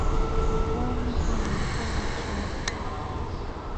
Warmi punguta wichkarka